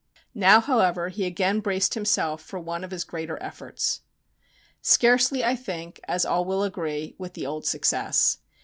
Now, however, he again braced himself for one of his greater efforts. Scarcely, I think, as all will agree, with the old success.